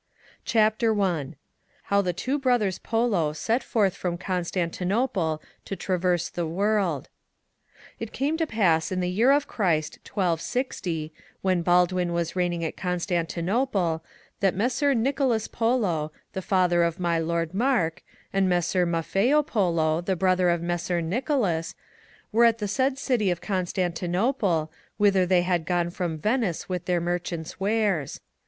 CHAPTER I. How THE Two Brothers Polo set forth from Constantinople TO TRAVERSE THE WORLD. • It came to pass in the year of Christ 1260, when Baldwin was reigning at Constantinople,^ that Messer Nicolas Polo, the father of my lord Mark, and Messer Maffeo Polo, the brother of Messer Nicolas, were at the said city of Constantinople, whither they had gone from Venice with their merchants' wares.